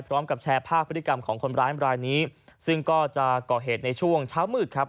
พร้อมกับแชร์ภาพพฤติกรรมของคนร้ายรายนี้ซึ่งก็จะก่อเหตุในช่วงเช้ามืดครับ